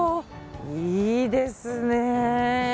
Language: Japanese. いいですね。